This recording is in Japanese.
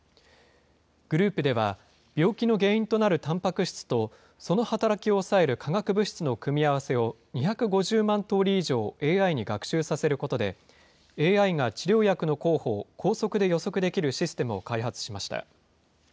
グループでは病気の原因となるたんぱく質と、その働きを抑える化学物質の組み合わせを２５０万通り以上ＡＩに学習させることで、ＡＩが治療薬の候補を高速で予測できるシステムを開発しました。